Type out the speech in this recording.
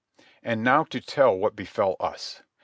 And now to what befell us.